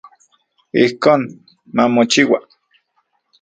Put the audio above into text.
Ijkon mamochiua.